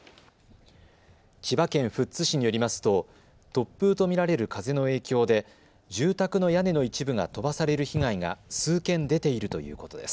千葉県富津市によりますと突風と見られる風の影響で住宅の屋根の一部が飛ばされる被害が数件出ているということです。